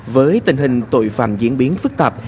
với tình hình tội phạm diễn biến phức tạp